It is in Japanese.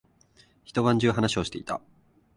一晩中話をしていた。